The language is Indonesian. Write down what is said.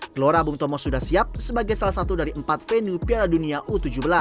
gelora bung tomo sudah siap sebagai salah satu dari empat venue piala dunia u tujuh belas